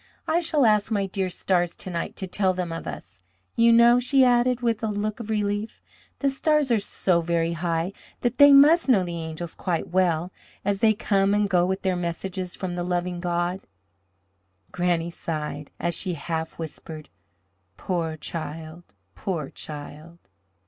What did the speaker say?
I shall ask my dear stars to night to tell them of us. You know," she added, with a look of relief, "the stars are so very high that they must know the angels quite well, as they come and go with their messages from the loving God." Granny sighed, as she half whispered, "Poor child, poor child!"